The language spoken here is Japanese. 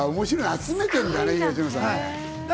集めてるんだね、東野さん。